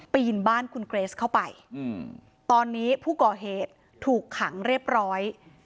ปีนบ้านคุณเกรสเข้าไปตอนนี้ผู้ก่อเหตุถูกขังเรียบร้อย